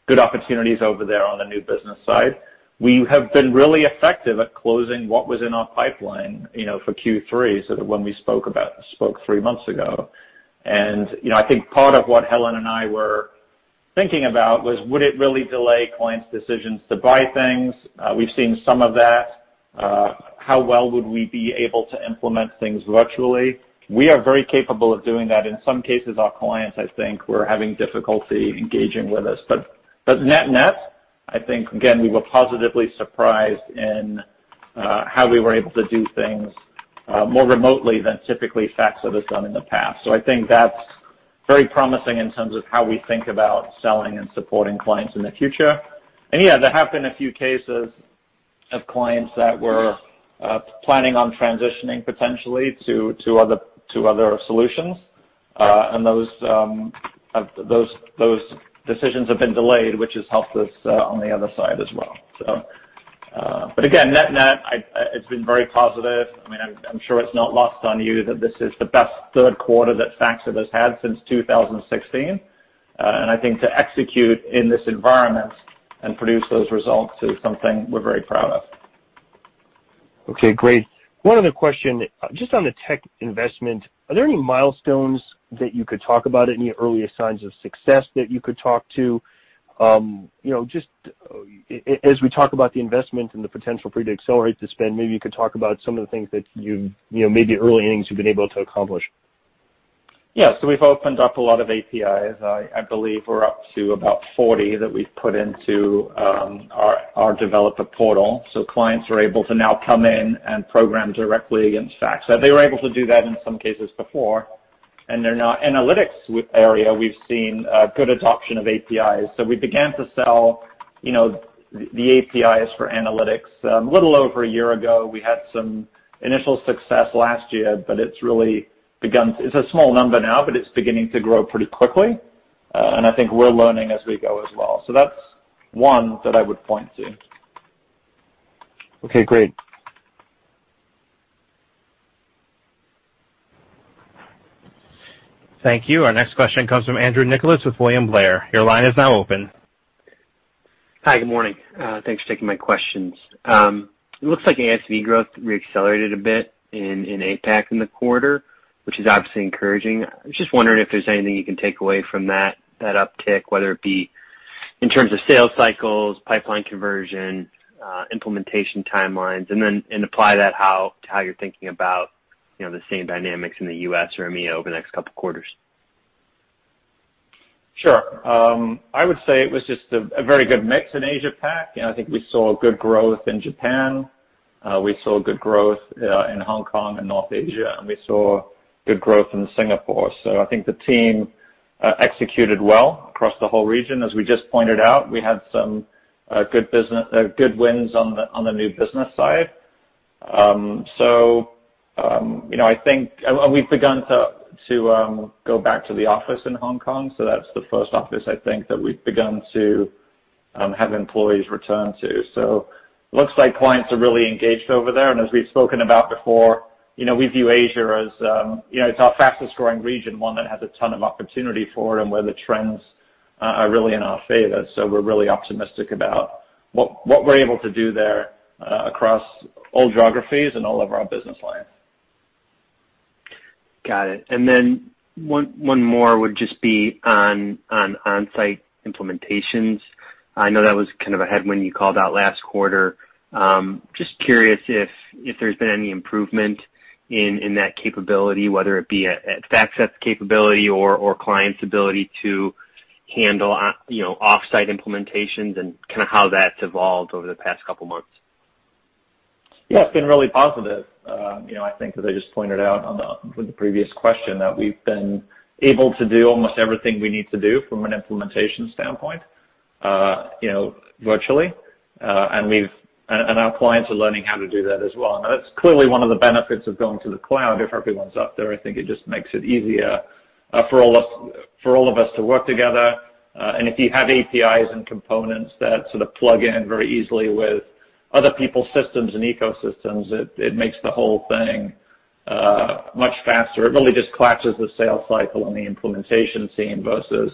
good opportunities over there on the new business side. We have been really effective at closing what was in our pipeline for Q3, so that when we spoke three months ago. I think part of what Helen and I were thinking about was, would it really delay clients' decisions to buy things? We've seen some of that. How well would we be able to implement things virtually? We are very capable of doing that. In some cases, our clients, I think, were having difficulty engaging with us. Net, I think, again, we were positively surprised in how we were able to do things more remotely than typically FactSet has done in the past. I think that's very promising in terms of how we think about selling and supporting clients in the future. Yeah, there have been a few cases of clients that were planning on transitioning potentially to other solutions. Those decisions have been delayed, which has helped us on the other side as well. Again, net, it's been very positive. I'm sure it's not lost on you that this is the best third quarter that FactSet has had since 2016. I think to execute in this environment and produce those results is something we're very proud of. Okay, great. One other question, just on the tech investment, are there any milestones that you could talk about? Any early signs of success that you could talk to? Just as we talk about the investment and the potential for you to accelerate the spend, maybe you could talk about some of the things that maybe early innings you've been able to accomplish. Yeah. We've opened up a lot of APIs. I believe we're up to about 40 that we've put into our developer portal. Clients are able to now come in and program directly against FactSet. They were able to do that in some cases before, and, they're not, analytics with area. We've seen good adoption of APIs. We began to sell the APIs for analytics a little over a year ago. We had some initial success last year. It's a small number now, but it's beginning to grow pretty quickly. I think we're learning as we go as well. That's one that I would point to. Okay, great. Thank you. Our next question comes from Andrew Nicholas with William Blair. Your line is now open. Hi. Good morning. Thanks for taking my questions. It looks like ASV growth re-accelerated a bit in APAC in the quarter, which is obviously encouraging. I was just wondering if there's anything you can take away from that uptick, whether it be in terms of sales cycles, pipeline conversion, implementation timelines, and apply that how you're thinking about the same dynamics in the U.S. or EMEA over the next couple of quarters. Sure. I would say it was just a very good mix in Asia Pac. I think we saw good growth in Japan. We saw good growth in Hong Kong and North Asia, and we saw good growth in Singapore. I think the team executed well across the whole region. As we just pointed out, we had some good wins on the new business side. We've begun to go back to the office in Hong Kong, so that's the first office, I think, that we've begun to have employees return to. Looks like clients are really engaged over there, and as we've spoken about before, we view Asia as our fastest-growing region, one that has a ton of opportunity for it and where the trends are really in our favor. We're really optimistic about what we're able to do there across all geographies and all of our business lines. Got it. Then one more would just be on onsite implementations. I know that was kind of a headwind you called out last quarter. Just curious if there's been any improvement in that capability, whether it be a FactSet capability or client's ability to handle offsite implementations and how that's evolved over the past couple of months. Yeah, it's been really positive. I think that I just pointed out with the previous question that we've been able to do almost everything we need to do from an implementation standpoint virtually, and our clients are learning how to do that as well. That's clearly one of the benefits of going to the cloud. If everyone's up there, I think it just makes it easier for all of us to work together. If you have APIs and components that plug in very easily with other people's systems and ecosystems, it makes the whole thing much faster. It really just collapses the sales cycle and the implementation scene versus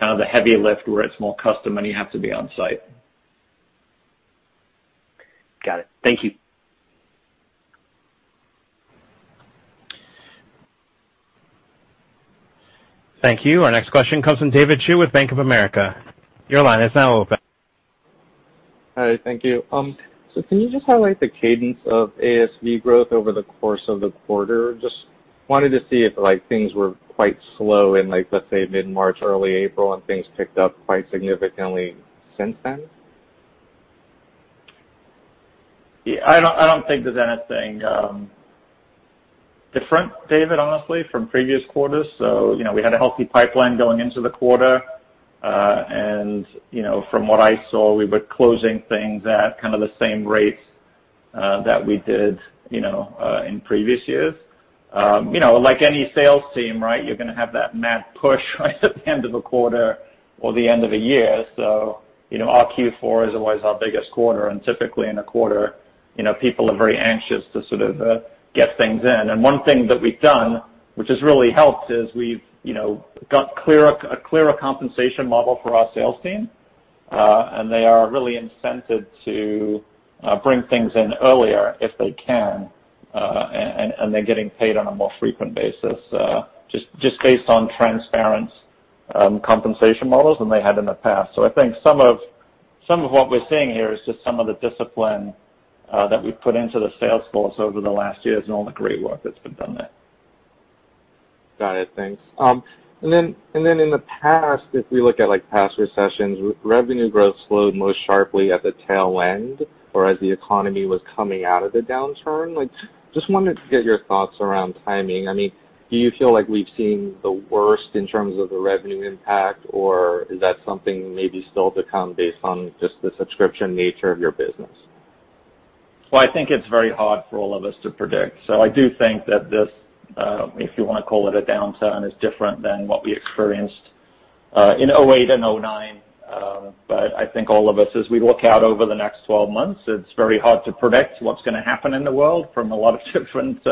the heavy lift where it's more custom and you have to be on-site. Got it. Thank you. Thank you. Our next question comes from David Chiu with Bank of America. Your line is now open. Hi, thank you. Can you just highlight the cadence of ASV growth over the course of the quarter? Just wanted to see if things were quite slow in, let's say, mid-March, early April, and things picked up quite significantly since then. Yeah, I don't think there's anything different, David, honestly, from previous quarters. We had a healthy pipeline going into the quarter. From what I saw, we were closing things at the same rates that we did in previous years. Like any sales team, you're going to have that mad push right at the end of a quarter or the end of a year. Our Q4 is always our biggest quarter, and typically in a quarter, people are very anxious to get things in. One thing that we've done, which has really helped, is we've got a clearer compensation model for our sales team, and they are really incented to bring things in earlier if they can. They're getting paid on a more frequent basis, just based on transparent compensation models than they had in the past. I think some of what we're seeing here is just some of the discipline that we put into the sales force over the last years and all the great work that's been done there. Got it. Thanks. In the past, if we look at past recessions, revenue growth slowed most sharply at the tail end or as the economy was coming out of the downturn. Just wanted to get your thoughts around timing. Do you feel like we've seen the worst in terms of the revenue impact, or is that something maybe still to come based on just the subscription nature of your business? Well, I think it's very hard for all of us to predict. I do think that this, if you want to call it a downturn, is different than what we experienced in 2008 and 2009. I think all of us, as we look out over the next 12 months, it's very hard to predict what's going to happen in the world from a lot of different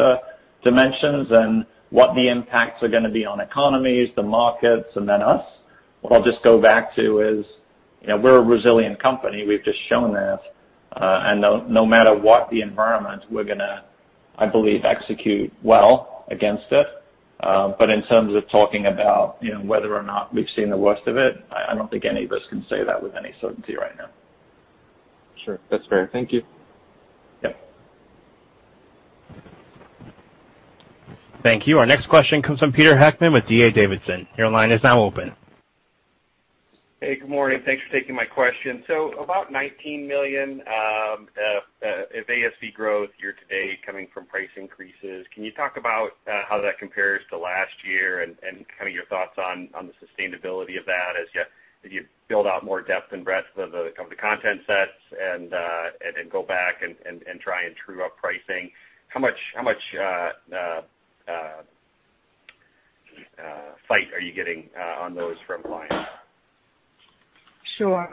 dimensions and what the impacts are going to be on economies, the markets, and then us. What I'll just go back to is we're a resilient company. We've just shown that. No matter what the environment, we're going to, I believe, execute well against it. In terms of talking about whether or not we've seen the worst of it, I don't think any of us can say that with any certainty right now. Sure. That's fair. Thank you. Yep. Thank you. Our next question comes from Peter Heckmann with D.A. Davidson. Your line is now open. Hey, good morning. Thanks for taking my question. About $19 million of ASV growth year to date coming from price increases. Can you talk about how that compares to last year and your thoughts on the sustainability of that as you build out more depth and breadth of the content sets and then go back and try and true up pricing? How much fight are you getting on those from clients? Sure.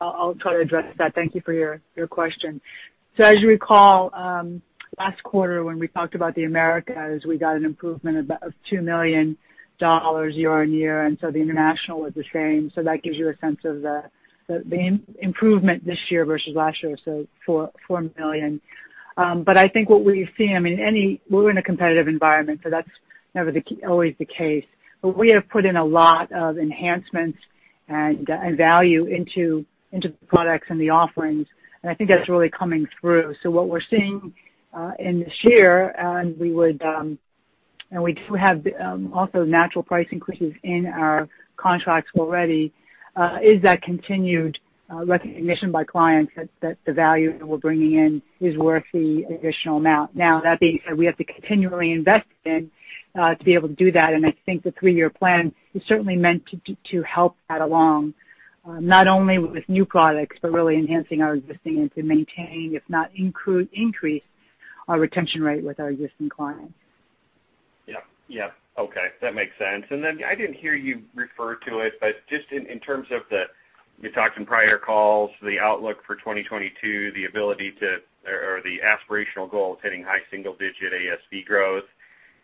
I'll try to address that. Thank you for your question. As you recall, last quarter when we talked about the Americas, we got an improvement of $2 million year-on-year, and so the international was the same. That gives you a sense of the improvement this year versus last year, $4 million. I think what we see, we're in a competitive environment, so that's always the case. We have put in a lot of enhancements and value into the products and the offerings. I think that's really coming through. What we're seeing in this year, and we do have also natural price increases in our contracts already, is that continued recognition by clients that the value that we're bringing in is worth the additional amount. That being said, we have to continually invest to be able to do that, and I think the three-year plan is certainly meant to help that along, not only with new products, but really enhancing our existing and to maintain, if not increase our retention rate with our existing clients. Yeah. Okay. That makes sense. I didn't hear you refer to it, but just in terms of the, we talked in prior calls, the outlook for 2022, the ability to, or the aspirational goal of hitting high single-digit ASV growth,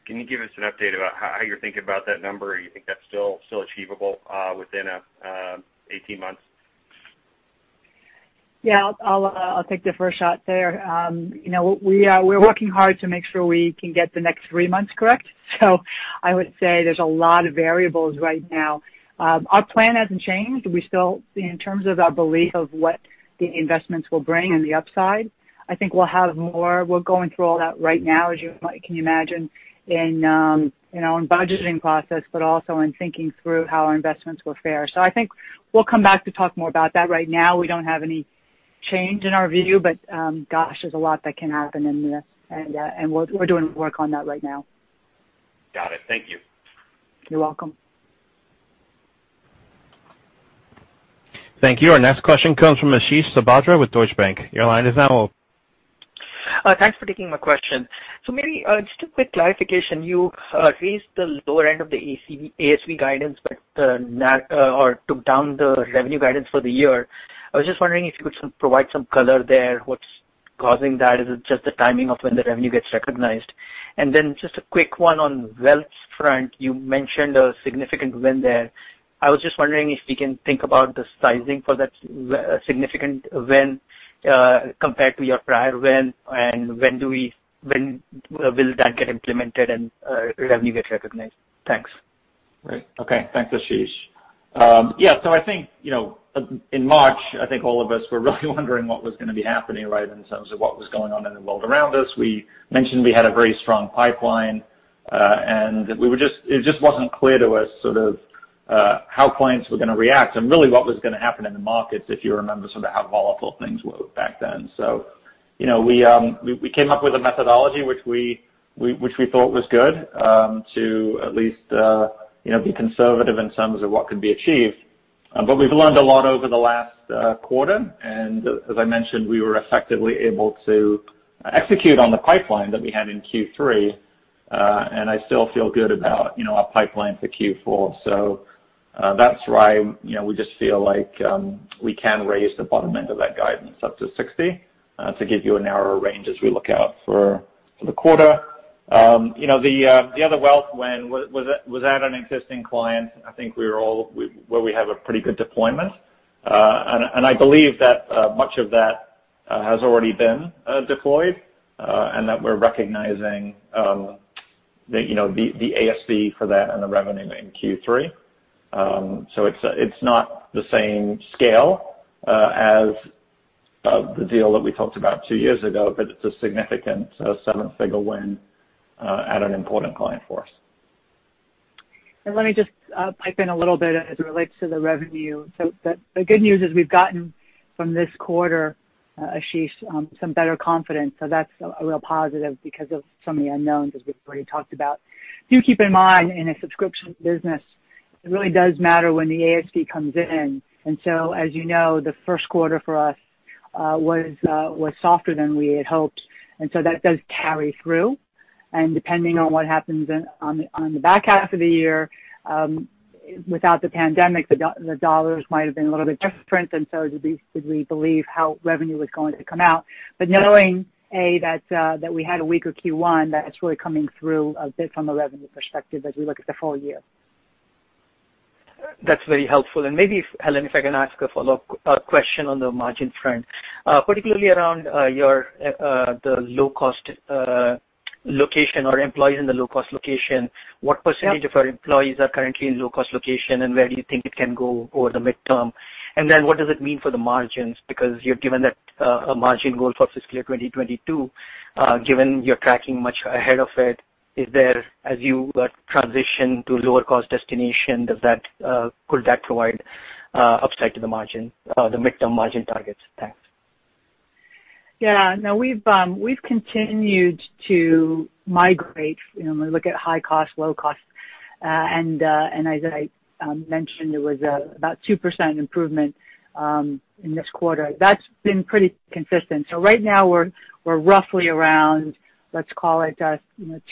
can you give us an update about how you're thinking about that number? Do you think that's still achievable within 18 months? Yeah, I'll take the first shot there. We're working hard to make sure we can get the next three months correct. I would say there's a lot of variables right now. Our plan hasn't changed. In terms of our belief of what the investments will bring in the upside, I think we'll have more. We're going through all that right now, as you can imagine in our own budgeting process, but also in thinking through how our investments will fare. I think we'll come back to talk more about that. Right now, we don't have any change in our view, but, gosh, there's a lot that can happen in this, and we're doing work on that right now. Got it. Thank you. You're welcome. Thank you. Our next question comes from Ashish Sabadra with Deutsche Bank. Your line is now open. Thanks for taking my question. Maybe just a quick clarification, you raised the lower end of the ASV guidance or took down the revenue guidance for the year. I was just wondering if you could provide some color there? What's causing that? Is it just the timing of when the revenue gets recognized? Then just a quick one on wealth front, you mentioned a significant win there. I was just wondering if we can think about the sizing for that significant win compared to your prior win, and when will that get implemented and revenue get recognized? Thanks. Right. Okay. Thanks, Ashish. In March, I think all of us were really wondering what was going to be happening, right? In terms of what was going on in the world around us. We mentioned we had a very strong pipeline, and it just wasn't clear to us sort of how clients were going to react and really what was going to happen in the markets, if you remember sort of how volatile things were back then. We came up with a methodology which we thought was good to at least be conservative in terms of what could be achieved. We've learned a lot over the last quarter, and as I mentioned, we were effectively able to execute on the pipeline that we had in Q3. I still feel good about our pipeline for Q4. That's why we just feel like we can raise the bottom end of that guidance up to 60 to give you a narrower range as we look out for the quarter. The other wealth win was at an existing client, where we have a pretty good deployment. I believe that much of that has already been deployed, and that we're recognizing the ASV for that and the revenue in Q3. It's not the same scale as the deal that we talked about two years ago, but it's a significant seven-figure win at an important client for us. Let me just pipe in a little bit as it relates to the revenue. The good news is we've gotten from this quarter, Ashish, some better confidence. That's a real positive because of some of the unknowns, as we've already talked about. Do keep in mind, in a subscription business, it really does matter when the ASV comes in. As you know, the first quarter for us was softer than we had hoped, and so that does carry through. Depending on what happens on the back half of the year, without the pandemic, the dollars might have been a little bit different, and so did we believe how revenue was going to come out. Knowing, A, that we had a weaker Q1, that it's really coming through a bit from a revenue perspective as we look at the full year. That's very helpful. Maybe, Helen, if I can ask a follow-up question on the margin front, particularly around the low-cost location or employees in the low-cost location. What percentage of our employees are currently in low-cost location, and where do you think it can go over the midterm? What does it mean for the margins? Because you've given that a margin goal for fiscal year 2022. Given you're tracking much ahead of it, as you transition to lower cost destination, could that provide upside to the midterm margin targets? Thanks. Yeah, no. We've continued to migrate when we look at high cost, low cost. As I mentioned, there was about 2% improvement in this quarter. That's been pretty consistent. Right now we're roughly around, let's call it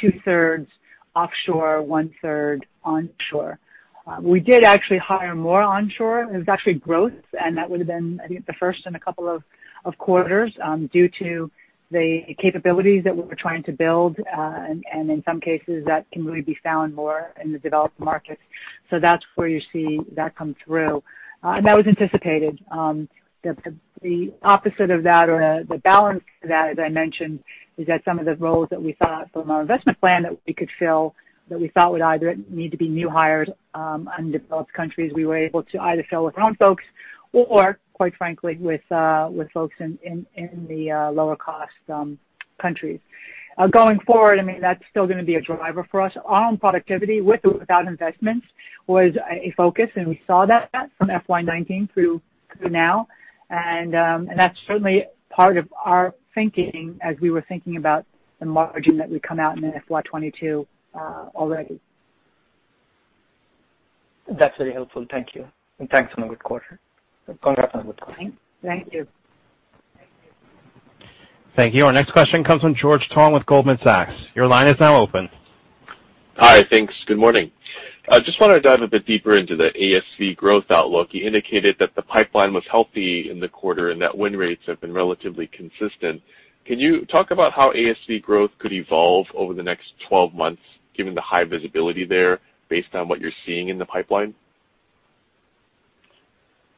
two-thirds offshore, one-third onshore. We did actually hire more onshore. It was actually growth, and that would have been, I think, the first in a couple of quarters due to the capabilities that we were trying to build, and in some cases, that can really be found more in the developed markets. That's where you see that come through. That was anticipated. The opposite of that or the balance to that, as I mentioned, is that some of the roles that we thought from our investment plan that we could fill that we thought would either need to be new hires in developed countries, we were able to either fill with our own folks or, quite frankly, with folks in the lower-cost countries. Going forward, that's still going to be a driver for us. Our own productivity, with or without investments, was a focus, and we saw that from FY 2019 through now. That's certainly part of our thinking as we were thinking about the margin that would come out in FY 2022 already. That's very helpful. Thank you. Thanks on the good quarter. Congrats on the good quarter. Thank you. Thank you. Our next question comes from George Tong with Goldman Sachs. Your line is now open. Hi. Thanks. Good morning. Just wanted to dive a bit deeper into the ASV growth outlook. You indicated that the pipeline was healthy in the quarter and that win rates have been relatively consistent. Can you talk about how ASV growth could evolve over the next 12 months, given the high visibility there based on what you're seeing in the pipeline?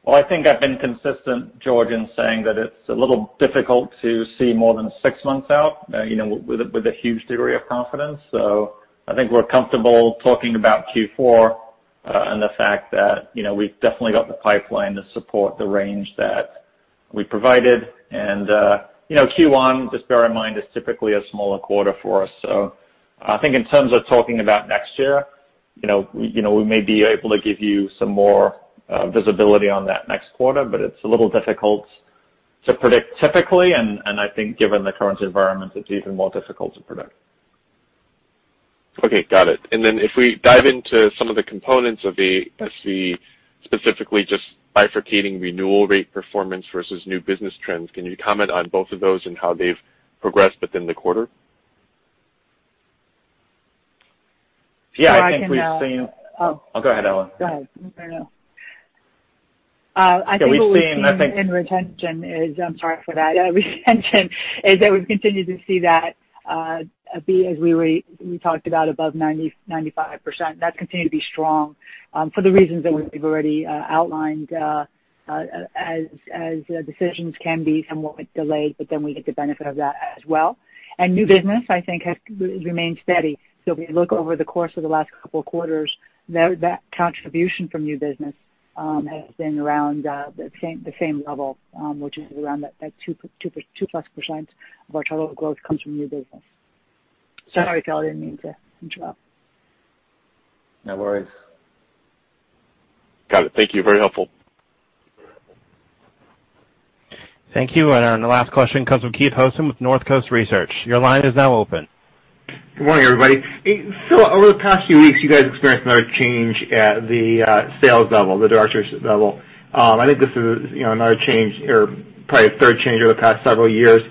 I think I've been consistent, George, in saying that it's a little difficult to see more than six months out with a huge degree of confidence. I think we're comfortable talking about Q4, and the fact that we've definitely got the pipeline to support the range that we provided. Q1, just bear in mind, is typically a smaller quarter for us. I think in terms of talking about next year, we may be able to give you some more visibility on that next quarter, but it's a little difficult to predict typically, and I think given the current environment, it's even more difficult to predict. Okay. Got it. Then if we dive into some of the components of the ASV, specifically just bifurcating renewal rate performance versus new business trends, can you comment on both of those and how they've progressed within the quarter? Yeah, I. Yeah, Oh, go ahead, Helen. Go ahead. No, no. Yeah, we've seen. I think what we've seen in retention is, I'm sorry for that retention, is that we've continued to see that be, as we talked about, above 95%. That's continued to be strong for the reasons that we've already outlined, as decisions can be somewhat delayed, but then we get the benefit of that as well. New business, I think, has remained steady. If you look over the course of the last couple of quarters, that contribution from new business has been around the same level, which is around that 2% plus of our total growth comes from new business. Sorry, Phil, I didn't mean to interrupt. No worries. Got it. Thank you. Very helpful. Thank you. Our last question comes from Keith Housum with Northcoast Research. Your line is now open. Good morning, everybody. Phil, over the past few weeks, you guys experienced another change at the sales level, the directors level. I think this is another change or probably a third change over the past several years.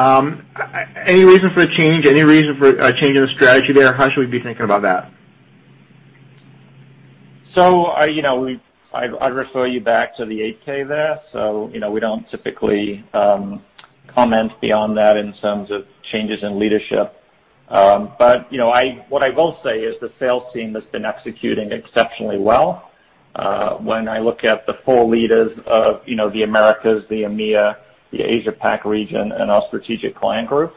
Any reason for the change? Any reason for a change in the strategy there? How should we be thinking about that? I'd refer you back to the 8-K there. We don't typically comment beyond that in terms of changes in leadership. What I will say is the sales team has been executing exceptionally well. When I look at the four leaders of the Americas, the EMEA, the Asia Pac region, and our strategic client group,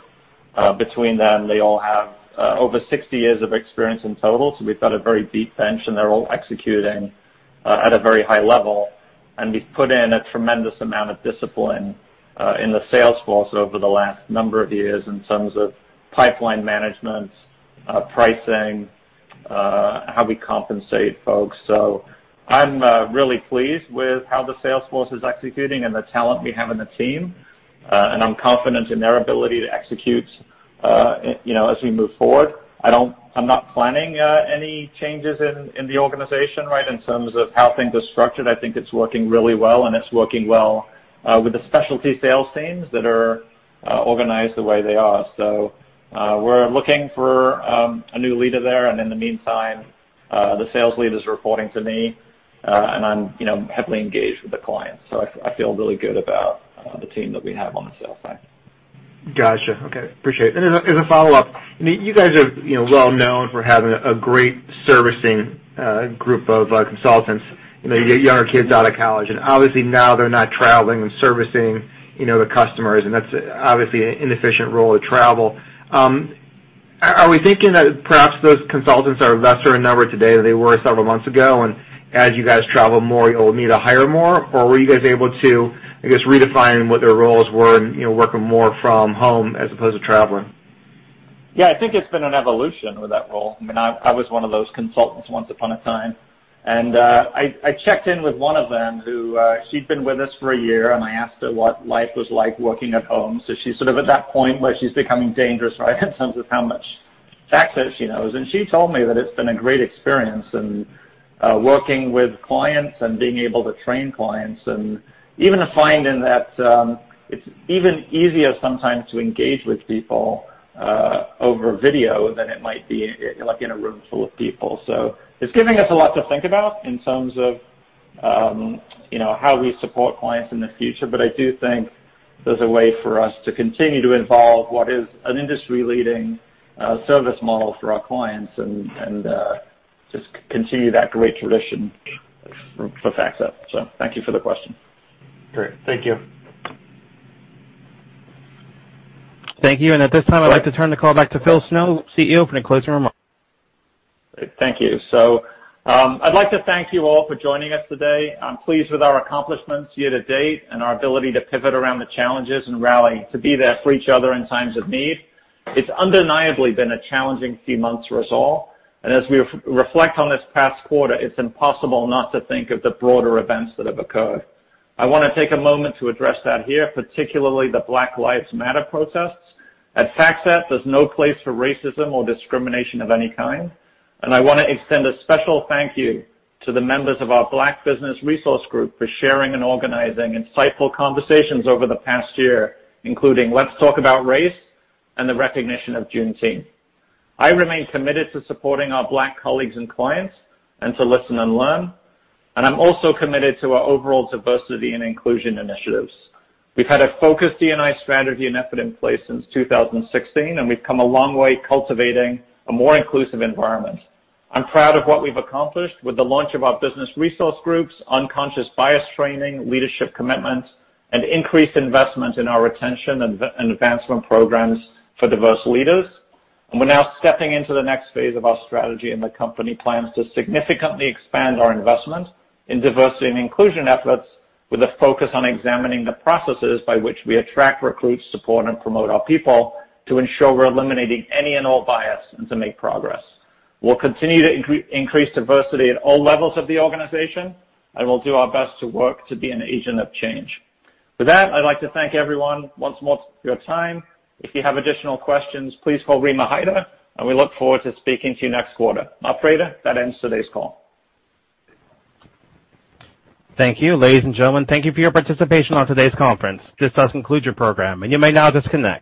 between them, they all have over 60 years of experience in total. We've got a very deep bench, and they're all executing at a very high level. We've put in a tremendous amount of discipline in the sales force over the last number of years in terms of pipeline management, pricing, how we compensate folks. I'm really pleased with how the sales force is executing and the talent we have on the team. I'm confident in their ability to execute as we move forward. I'm not planning any changes in the organization right now in terms of how things are structured. I think it's working really well, and it's working well with the specialty sales teams that are organized the way they are. We're looking for a new leader there. In the meantime, the sales leader's reporting to me, and I'm heavily engaged with the clients. I feel really good about the team that we have on the sales side. Got you. Okay. Appreciate it. As a follow-up, you guys are well known for having a great servicing group of consultants, your younger kids out of college, and obviously now they're not traveling and servicing the customers, and that's obviously an inefficient role to travel. Are we thinking that perhaps those consultants are lesser in number today than they were several months ago, and as you guys travel more, you'll need to hire more? Or were you guys able to, I guess, redefine what their roles were and work more from home as opposed to traveling? Yeah, I think it's been an evolution with that role. I was one of those consultants once upon a time. I checked in with one of them who, she'd been with us for a year, and I asked her what life was like working at home. She's sort of at that point where she's becoming dangerous, right, in terms of how much FactSet she knows. She told me that it's been a great experience and working with clients and being able to train clients, and even finding that it's even easier sometimes to engage with people over video than it might be in a room full of people. It's giving us a lot to think about in terms of how we support clients in the future. I do think there's a way for us to continue to evolve what is an industry-leading service model for our clients and just continue that great tradition for FactSet. Thank you for the question. Great. Thank you. Thank you. At this time, I'd like to turn the call back to Phil Snow, CEO, for any closing remarks. Thank you. I'd like to thank you all for joining us today. I'm pleased with our accomplishments year to date and our ability to pivot around the challenges and rally to be there for each other in times of need. It's undeniably been a challenging few months for us all, and as we reflect on this past quarter, it's impossible not to think of the broader events that have occurred. I want to take a moment to address that here, particularly the Black Lives Matter protests. At FactSet, there's no place for racism or discrimination of any kind, and I want to extend a special thank you to the members of our Black Business Resource Group for sharing and organizing insightful conversations over the past year, including Let's Talk About Race and the recognition of Juneteenth. I remain committed to supporting our Black colleagues and clients and to listen and learn, and I'm also committed to our overall diversity and inclusion initiatives. We've had a focused D&I strategy and effort in place since 2016, and we've come a long way cultivating a more inclusive environment. I'm proud of what we've accomplished with the launch of our business resource groups, unconscious bias training, leadership commitments, and increased investment in our retention and advancement programs for diverse leaders. We're now stepping into the next phase of our strategy, and the company plans to significantly expand our investment in diversity and inclusion efforts with a focus on examining the processes by which we attract, recruit, support, and promote our people to ensure we're eliminating any and all bias and to make progress. We'll continue to increase diversity at all levels of the organization, and we'll do our best to work to be an agent of change. With that, I'd like to thank everyone once more for your time. If you have additional questions, please call Rima Hyder, and we look forward to speaking to you next quarter. Operator, that ends today's call. Thank you. Ladies and gentlemen, thank you for your participation on today's conference. This does conclude your program, and you may now disconnect.